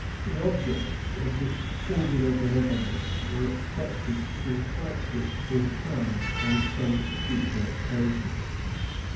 The objects of this singular benevolence were expected to requite it in kind on some future occasion.